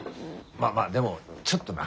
まあまあでもちょっとな。